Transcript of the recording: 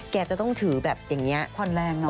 แกจะต้องถือแบบอย่างนี้ผ่อนแรงเนอ